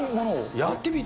やってみて？